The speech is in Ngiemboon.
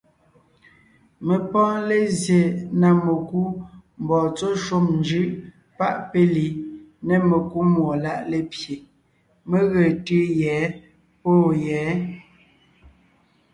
Mé pɔ́ɔn lézye na mekú mbɔɔ tsɔ́ shúm njʉ́ʼ páʼ péli, mekúmúɔláʼ lépye, mé ge tʉ́ʉ yɛ̌ pɔ̌ yɛ̌.